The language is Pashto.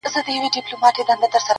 له کښتۍ سره مشغول وو په څپو کي،